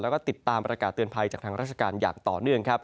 แล้วก็ติดตามประกาศเตือนภัยจากทางราชการอย่างต่อเนื่องครับ